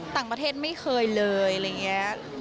ต่างประเทศไม่เคยเลยอะไรอย่างนี้